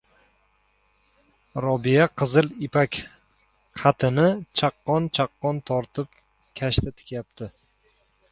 Robiya qizil ipak qatini chaqqon-chaqqon tortib kashta tikyapti.